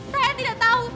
saya tidak tau